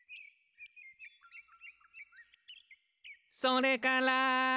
「それから」